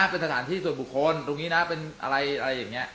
เป็นสถานที่ส่วนบุคคลตรงนี้นะเป็นอะไรอย่างนี้